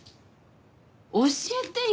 教えてよ！